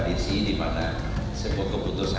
api darah api darah